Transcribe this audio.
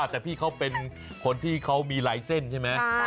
แต่พี่เขาเป็นคนที่เขามีลายเส้นใช่ไหม